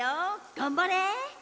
がんばれ！